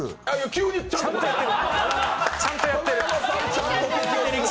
急にちゃんとやってる！